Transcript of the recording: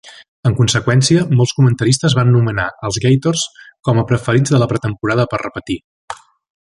En conseqüència, molts comentaristes van nomenar els Gators com a preferits de la pretemporada per repetir.